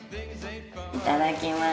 いただきます。